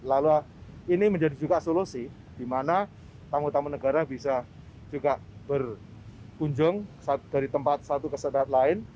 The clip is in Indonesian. lalu ini menjadi juga solusi di mana tamu tamu negara bisa juga berkunjung dari tempat satu ke tempat lain